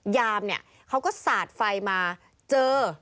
ยามเขาก็สาดไฟมาเจอ